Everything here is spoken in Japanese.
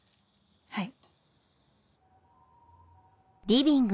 はい。